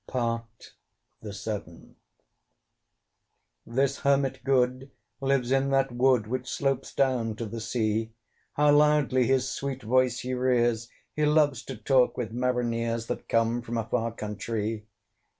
PART THE SEVENTH. This Hermit good lives in that wood Which slopes down to the sea. How loudly his sweet voice he rears! He loves to talk with marineres That come from a far countree.